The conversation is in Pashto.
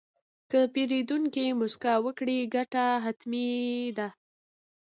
که پیرودونکی موسکا وکړي، ګټه حتمي ده.